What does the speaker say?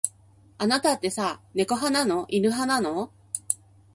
あなたってさ、猫派なの。犬派なの。